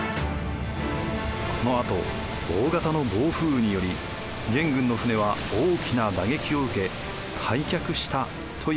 このあと大型の暴風雨により元軍の船は大きな打撃を受け退却したといわれています。